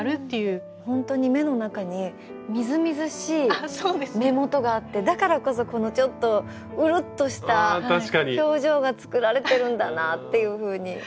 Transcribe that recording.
本当に目の中にみずみずしい目元があってだからこそこのちょっとうるっとした表情が作られてるんだなっていうふうに思いました。